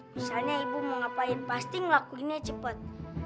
misalnya ibu mau ngapain pasti ngelakuinnya cepat